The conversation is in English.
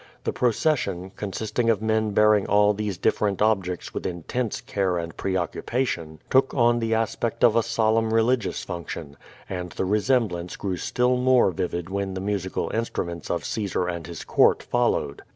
The procession, con>i. ting of men bearing all these different objects with intense care and pre occupation, took on the aspect of a solemn religious function, and the resemblance grew still more vivid when the musical instru ments of Caesar and his court followed.